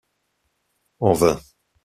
En vain.